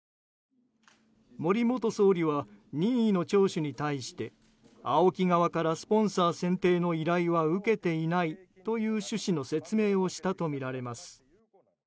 森元総理は任意の聴取に対してＡＯＫＩ側からスポンサー選定の依頼は受けていないという趣旨の説明をしたとみられます。